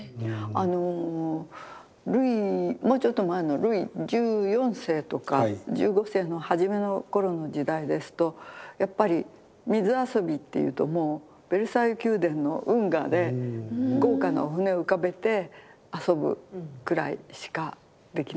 あのもうちょっと前のルイ１４世とか１５世のはじめの頃の時代ですとやっぱり水遊びっていうともうベルサイユ宮殿の運河で豪華なお船を浮かべて遊ぶくらいしかできなくて。